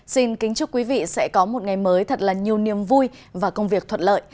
xin kính chúc quý vị sẽ có một ngày mới thật là nhiều niềm vui và công việc thuận lợi